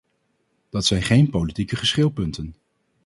Dat zijn geen politieke geschilpunten.